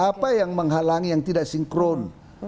apa yang menghalangi yang tidak sinkron